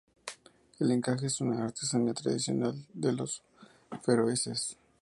El encaje es una artesanía tradicional de los feroeses.